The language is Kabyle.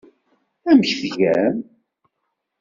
Amek tgam?